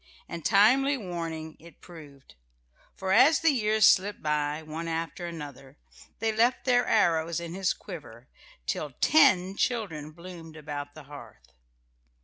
And timely warning it proved, for as the years slipped by, one after another, they left their arrows in his quiver till ten children bloomed about the hearth.